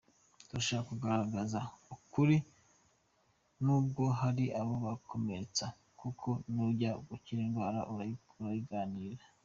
Turashaka kugaragza ukuri nubwo hari abo gukomeretsa kuko n’ujya gukira indwara arayiganira.